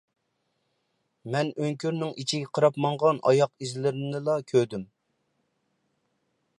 مەن ئۆڭكۈرنىڭ ئىچىگە قاراپ ماڭغان ئاياغ ئىزلىرىنىلا كۆردۈم